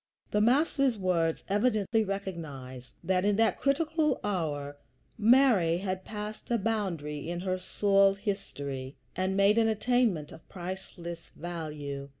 The Master's words evidently recognize that in that critical hour Mary had passed a boundary in her soul history, and made an attainment of priceless value.